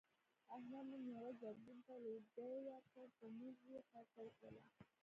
احمد نن یوه زرګون ته لوګی ورکړ په موږ یې خرڅه وکړله.